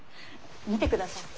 見てください。